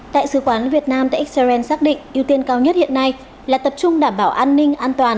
đại sứ quán việt nam tại israel xác định ưu tiên cao nhất hiện nay là tập trung đảm bảo an ninh an toàn